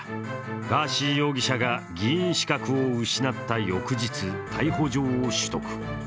ガーシー容疑者が議員資格を失った翌日、逮捕状を取得。